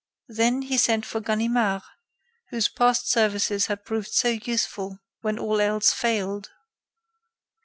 Then he sent for Ganimard, whose past services had proved so useful when all else failed.